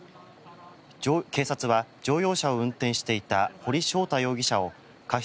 警察は乗用車を運転していた堀翔太容疑者を過失